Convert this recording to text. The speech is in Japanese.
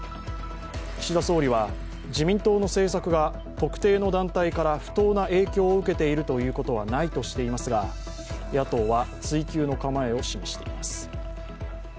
岸田総理は自民党の政策が特定の団体から不当な影響を受けているということはないとしていますが野党は追及の構えを示しています。